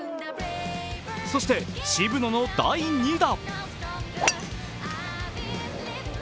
そして、渋野の第２打。